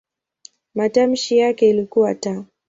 Matamshi yake ilikuwa "t".